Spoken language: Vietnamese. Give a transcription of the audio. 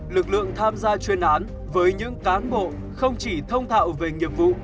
lực lượng tham gia chuyên án với những cán bộ không chỉ thông thạo về nghiệp vụ